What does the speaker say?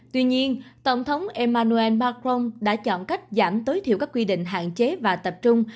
tuy nhiên tổng thống emmanuel macron đã chọn cách giảm tối thiểu các quy định hạn chế và tập trung